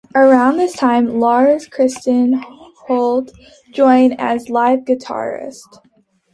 Around this time Lars Kristian Holt joined as live guitarist.